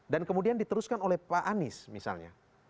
dan kemudian diteruskan oleh pak anies misalnya